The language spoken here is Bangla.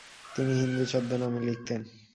তিনি "হিন্দু" ছদ্মনামে লিখতেন।